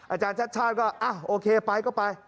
อาจารย์ชัดชาติก็โอเคไปก็ไป